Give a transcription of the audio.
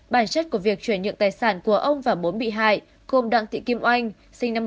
bản chất của việc chuyển nhượng tài sản của ông và bốn bị hại gồm đặng thị kim oanh sinh năm một nghìn chín trăm tám mươi